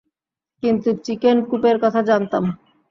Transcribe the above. কিন্তু চিকেন কুপের কথা জানতাম।